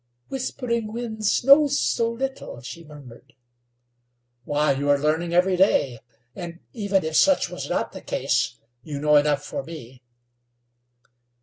"Whispering Winds knows so little," she murmured. "Why, you are learning every day, and even if such was not the case, you know enough for me."